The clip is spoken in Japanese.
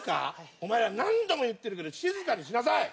お前ら何度も言ってるけど静かにしなさい。